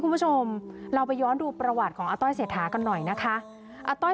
คุณผู้ชมเราไปย้อนดูประวัติของอาต้อยเศรษฐากันหน่อยนะคะอาต้อย